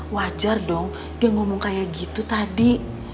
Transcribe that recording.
wajar dong dia ngomong kayak gitu tadi